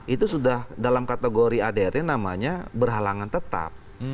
itu sudah dalam kategori adrt namanya berhalangan tetap